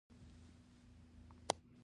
د دارچینی لرګی د څه لپاره وکاروم؟